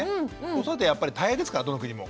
子育てはやっぱり大変ですからどの国も。